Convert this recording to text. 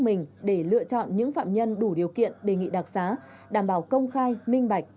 mình để lựa chọn những phạm nhân đủ điều kiện đề nghị đặc xá đảm bảo công khai minh bạch